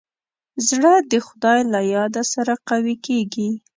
زړه د خدای له یاد سره قوي کېږي.